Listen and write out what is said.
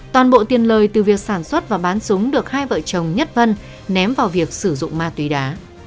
toàn bộ tiền lời từ việc sản xuất và bán súng được hai vợ chồng nhất vân ném vào việc sử dụng ma túy đá